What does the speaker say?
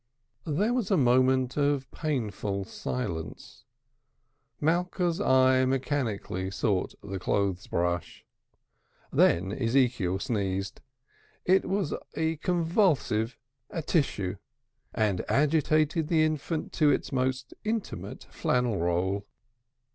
There was a moment of painful silence. Malka's eye mechanically sought the clothes brush. Then Ezekiel sneezed. It was a convulsive "atichoo," and agitated the infant to its most intimate flannel roll.